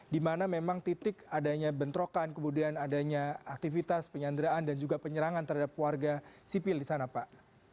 di mana memang titik adanya bentrokan kemudian adanya aktivitas penyanderaan dan juga penyerangan terhadap warga sipil di sana pak